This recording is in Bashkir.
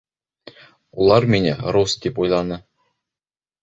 Улар мине рус тип уйланы.